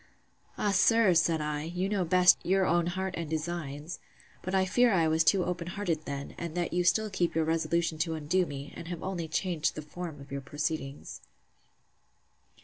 Ah! sir, said I, you know best your own heart and designs! But I fear I was too open hearted then; and that you still keep your resolution to undo me, and have only changed the form of your proceedings.